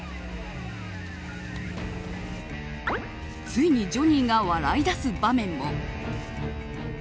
ついにジョニーが笑い出す場面も。